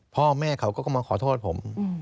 พ่อแม่เขาก็มาขอโทษผม